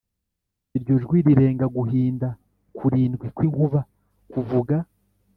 Iryo jwi rirenga guhinda kurindwi kw inkuba kuvuga